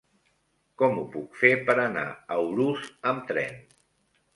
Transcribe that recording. Com ho puc fer per anar a Urús amb tren?